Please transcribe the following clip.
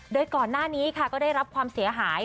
โดยก่อนหน้านี้ค่ะก็ได้รับความเสียหาย